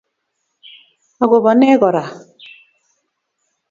Agobo ne Kora?